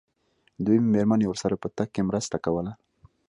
دويمې مېرمنې ورسره په تګ کې مرسته کوله.